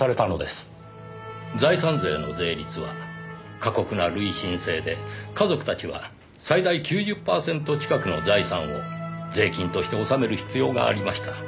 財産税の税率は過酷な累進制で華族たちは最大９０パーセント近くの財産を税金として納める必要がありました。